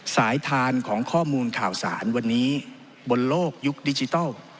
สายทานของข้อมูลข่าวสารวันนี้บนโลกยุคดิจิทัล